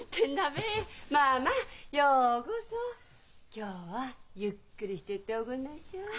今日はゆっくりしてっておくんなんしょ。